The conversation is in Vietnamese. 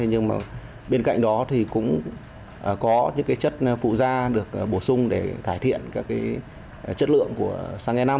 nhưng bên cạnh đó cũng có những chất phụ da được bổ sung để cải thiện chất lượng của xăng e năm